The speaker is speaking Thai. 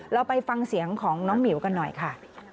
เราไปฟังเสียงของน้องหมิวกันหน่อยค่ะ